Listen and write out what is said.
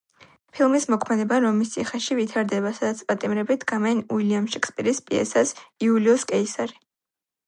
ფილმის მოქმედება რომის ციხეში ვითარდება, სადაც პატიმრები დგამენ უილიამ შექსპირის პიესას „იულიუს კეისარი“.